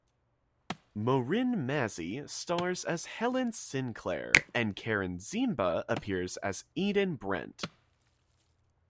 Marin Mazzie stars as Helen Sinclair, and Karen Ziemba appears as Eden Brent.